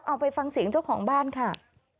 เอาไปฟังเสียงเจ้าของบ้านค่ะ